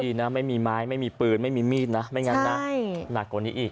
ดีนะไม่มีไม้ไม่มีปืนไม่มีมีดนะไม่งั้นนะหนักกว่านี้อีก